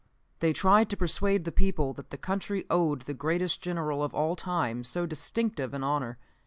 They tried to persuade the people that the country owed the greatest General of all time so distinctive an honor.